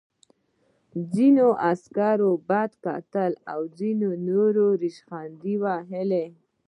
ځینو عسکرو بد کتل او ځینو ریشخند وهلو